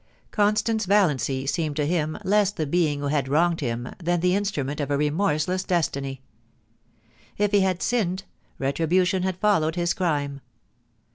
Con stance Valiancy seemed to him less the being who had wronged him than the instrument of a remorseless destiny. If he had sinned, retribution had followed his crime.